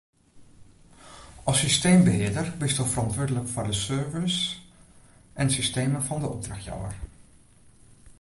As systeembehearder bisto ferantwurdlik foar de servers en systemen fan de opdrachtjouwer.